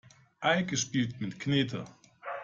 Eike spielt mit Knete.